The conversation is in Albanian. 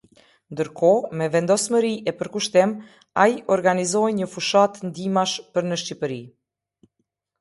Ndërkohë, me vendosmëri e përkushtim, ai organizoi një fushatë ndihmash për në Shqipëri.